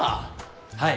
はい！